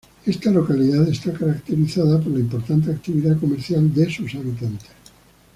Esta localidad está caracterizada por la importante actividad comercial de sus habitantes.